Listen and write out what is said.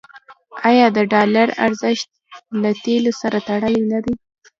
آیا د ډالر ارزښت له تیلو سره تړلی نه دی؟